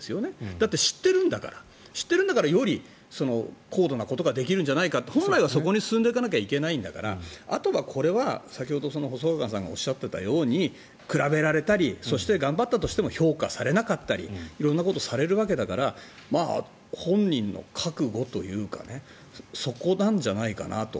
だって、知ってるんだからより高度なことができるんじゃないかって本来はそこに進んでいかなきゃいけないんだから先ほど細川さんがおっしゃってたように比べられたりそして、頑張ったとしても評価されなかったり色んなことをされるわけだから本人の覚悟というかそこなんじゃないかなと。